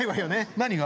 何が？